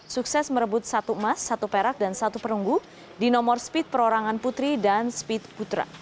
sukses merebut satu emas satu perak dan satu perunggu di nomor speed perorangan putri dan speed putra